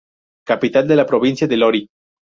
Capital de la provincia de Lorri.